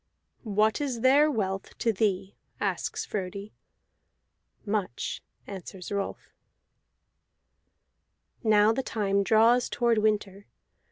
"What is their wealth to thee?" asks Frodi. "Much," answers Rolf. Now the time draws toward winter.